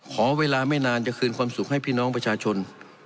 ขอเวลาไม่นานจะคืนความสุขให้พี่น้องประชาชน